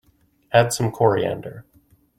Add some coriander.